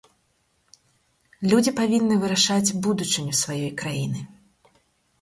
Людзі павінны вырашаць будучыню сваёй краіны.